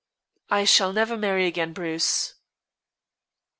"I shall never marry again, Bruce."